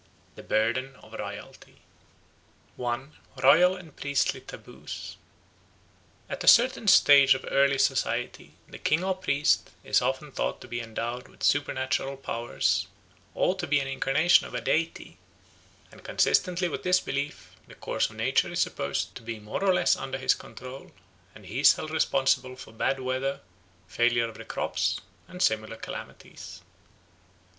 The Burden of Royalty 1. Royal and Priestly Taboos AT A CERTAIN stage of early society the king or priest is often thought to be endowed with supernatural powers or to be an incarnation of a deity, and consistently with this belief the course of nature is supposed to be more or less under his control, and he is held responsible for bad weather, failure of the crops, and similar calamities.